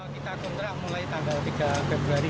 kita kontrak mulai tanggal tiga februari